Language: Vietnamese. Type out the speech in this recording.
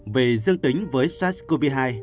vì dương tính với sars cov hai